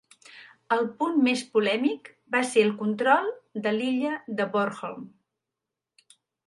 El punt més polèmic va ser el control de l'illa de Bornholm.